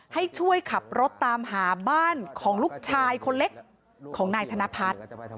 ให้ช่วยขับรถตามหาบ้านของลูกชายคนเล็กของนายธนพัฒน์